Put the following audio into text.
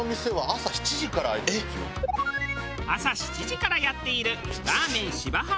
朝７時からやっているらーめん芝浜。